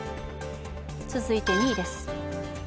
続いて２位です。